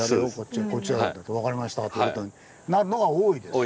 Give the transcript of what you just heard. こっちが分かりましたということになるのが多いですよね。